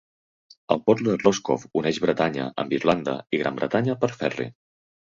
El port de Roscoff uneix Bretanya amb Irlanda i Gran Bretanya per ferri.